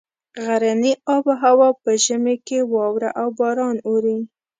غرني آب هوا په ژمي کې واوره او باران اوري.